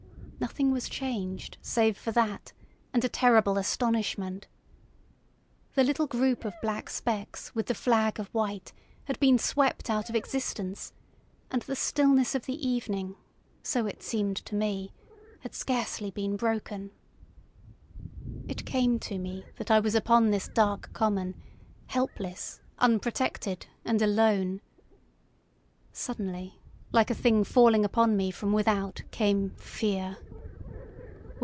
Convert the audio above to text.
Nothing was changed save for that and a terrible astonishment. The little group of black specks with the flag of white had been swept out of existence, and the stillness of the evening, so it seemed to me, had scarcely been broken. It came to me that I was upon this dark common, helpless, unprotected, and alone. Suddenly, like a thing falling upon me from without, came—fear.